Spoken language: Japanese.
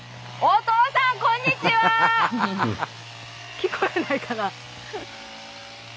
聞こえないかな？